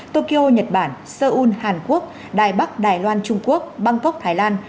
tokyo nhật bản seoul hàn quốc đài bắc đài loan trung quốc bangkok thái lan